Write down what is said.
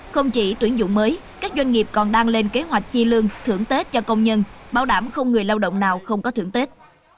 không chỉ tuyển dụng mới các doanh nghiệp còn đang lên kế hoạch chi lương thưởng tết cho công nhân bảo đảm không người lao động nào không có thưởng tết